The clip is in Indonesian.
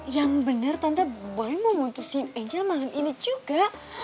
yang bener tante boy mau mutusin angel malam ini juga